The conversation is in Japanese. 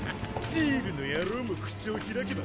ジールの野郎も口を開けば